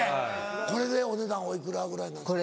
これでお値段おいくらぐらいなんですか？